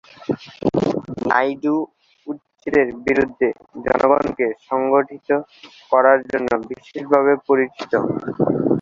নাইডু উচ্ছেদের বিরুদ্ধে জনগণকে সংগঠিত করার জন্য বিশেষভাবে পরিচিত।